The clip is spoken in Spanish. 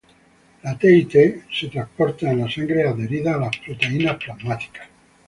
La T y T son transportadas en la sangre, adheridas a proteínas plasmáticas.